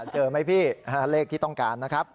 เจอไหมพี่เลขที่ต้องการนะครับ